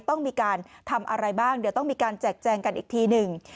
ต้องมีการทำอะไรบ้างเดี๋ยวต้องมีการแจกแจงกันอีกทีหนึ่ง